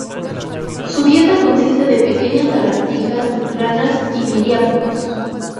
Su dieta consiste de pequeñas lagartijas, ranas y miriápodos.